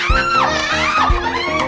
kita akan pergi